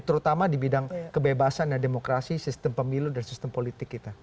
terutama di bidang kebebasan dan demokrasi sistem pemilu dan sistem politik kita